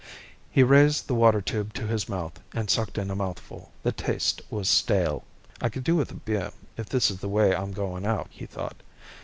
He raised the water tube to his mouth and sucked in a mouthful. The taste was stale. I could do with a beer, if this is the way I'm going out, he thought.